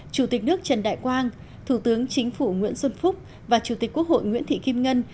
chủ tịch nước trần đại quang thủ tướng chính phủ nguyễn xuân phúc và chủ tịch quốc hội nguyễn thị kim ngân